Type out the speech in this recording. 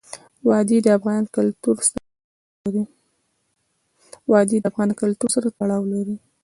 وادي د افغان کلتور سره تړاو لري.